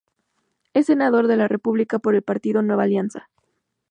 Es Senador de la República por el Partido Nueva Alianza.